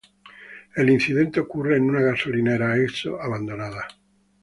El incidente ocurre en una gasolinera Esso abandonada.